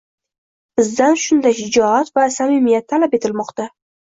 Bizdan shunday shijoat va... samimiyat talab etilmoqda.